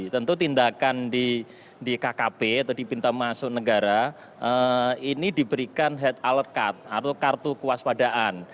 tentu tindakan di kkp atau di pintu masuk negara ini diberikan head alert card atau kartu kuas padaan